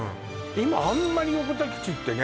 今あんまり横田基地ってね